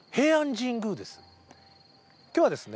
今日はですね